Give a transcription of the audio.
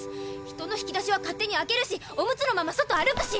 人の引き出しは勝手に開けるしオムツのまま外歩くし。